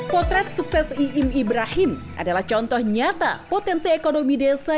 potret sukses iim ibrahim adalah contoh nyata potensi ekonomi desa